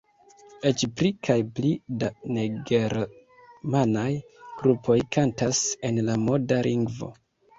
Eĉ pli kaj pli da negermanaj grupoj kantas en la moda lingvo.